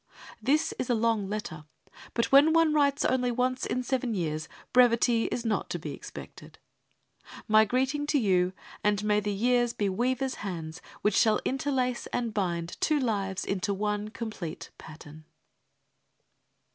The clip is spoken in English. This is a long letter, but when one writes only once in seven years, brevity is not to be expected. My greeting to you, and may the years be weaver's hands, which shall interlace and bind two lives into one complete pattern.